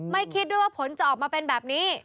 คิดด้วยว่าผลจะออกมาเป็นแบบนี้